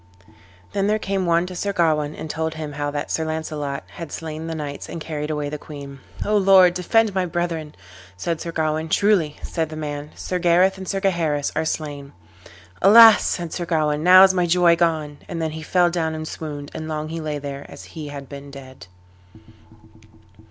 Then there came one to Sir Gawain and told him how that Sir Launcelot had slain the knights and carried away the queen. "O Lord, defend my brethren!" said Sir Gawain. "Truly," said the man, "Sir Gareth and Sir Gaheris are slain." "Alas!" said Sir Gawain, "now is my joy gone." And then he fell down and swooned, and long he lay there as he had been dead.